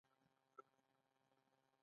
نن کړمه هر کلے د ګل اندام پۀ دواړه لاسه